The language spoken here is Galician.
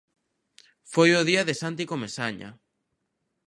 Foi o día de Santi Comesaña.